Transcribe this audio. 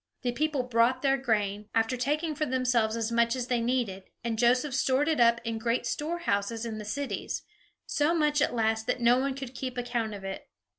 The people brought their grain, after taking for themselves as much as they needed, and Joseph stored it up in great storehouses in the cities; so much at last that no one could keep account of it.